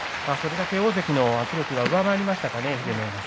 大関の圧力が上回りましたかね。